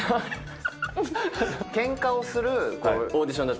けんかをするオーディションだった。